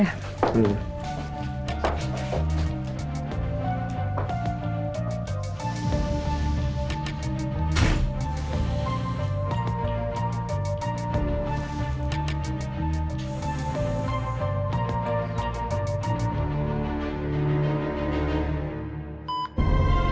aku mau tidur